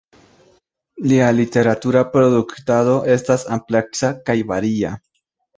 Lia literatura produktado estas ampleksa kaj varia.